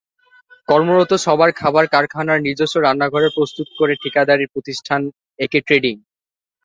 কর্মরত সবার খাবার কারখানার নিজস্ব রান্নাঘরে প্রস্তুত করে ঠিকাদারি প্রতিষ্ঠান একে ট্রেডিং।